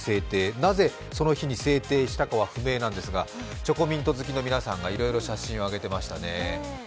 なぜその日に制定したかは不明なんですが、チョコミント好きの皆さんがいろいろ写真を上げていましたね。